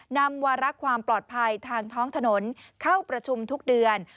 นำวาระความปลอดภัยทางท้องถนนเข้าประชุมทุกเดือน